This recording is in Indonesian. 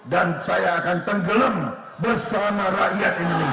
dan saya akan tenggelem bersama rakyat indonesia